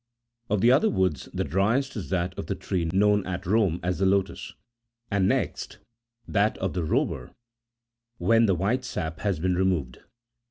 Of the other woods, the driest is that of the tree known at Rome as the lotus,24 and next, that of the robur, when the white sap has been re moved.